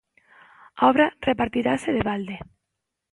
A obra repartirase de balde.